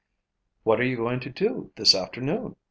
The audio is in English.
"What are you going to do this afternoon?"